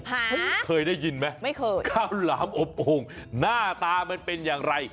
เขาเคยได้ยินไหมไม่เคยข้าวหลามอบโอ่งหน้าตามันเป็นอย่างไร